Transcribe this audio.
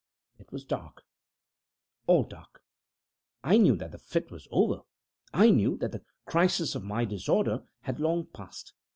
It was dark all dark. I knew that the fit was over. I knew that the crisis of my disorder had long passed.